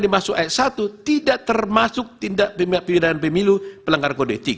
dimaksud s satu tidak termasuk tindak pilihan pemilu pelanggaran kode etik